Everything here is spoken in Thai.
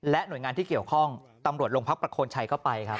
และหน่วยงานที่เกี่ยวข้องตำรวจลงพักประโคนชัยเข้าไป